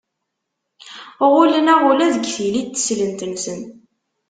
Ɣullen-aɣ ula deg tili n teslent-nsen.